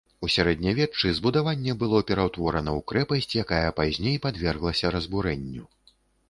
У сярэднявеччы збудаванне было пераўтворана ў крэпасць, якая пазней падверглася разбурэнню.